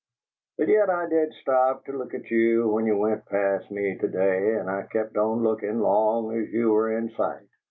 But yet I did stop to look at you when you went past me to day, and I kept on lookin', long as you were in sight.